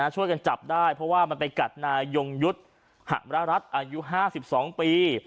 ช่วยกันจับได้เพราะว่ามันไปกัดนายยงยุทธ์หะมรรัฐอายุ๕๒ปี